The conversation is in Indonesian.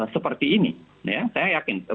seperti ini saya yakin